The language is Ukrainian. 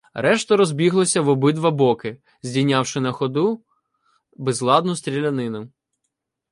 Решта розбіглася в обидва боки, здійнявши на ходу безладну стрілянину.